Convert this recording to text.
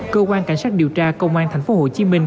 cơ quan cảnh sát điều tra công an thành phố hồ chí minh